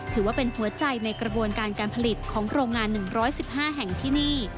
ถือว่าเป็นหัวใจในกระบวนการการผลิตของโรงงาน๑๑๕แห่งที่นี่